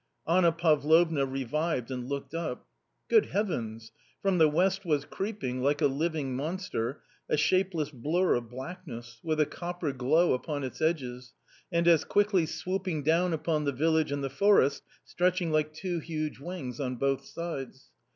Anna Pavlovna revived and looked up. Good Heavens ! From the west was creeping, like a living monster, a shape less blur of blackness, with a copper glow upon its edges, and as quickly swooping down upon the village and the forest, stretching like two huge wings on both sides.